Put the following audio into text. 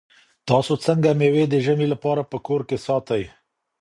تاسو څنګه مېوې د ژمي لپاره په کور کې ساتئ؟